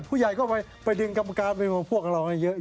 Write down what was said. ผู้ใหญ่ก็ไปดึงกรรมการพวกเราเยอะ